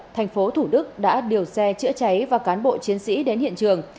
thành phố thủ đức đã điều xe chữa cháy và cán bộ chiến sĩ đến hiện trường